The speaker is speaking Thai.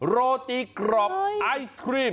โรตีกรอบไอศครีม